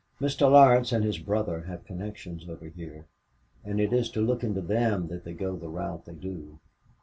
Mr. Laurence and his brother have connections over here, and it is to look into them that they go the route they do.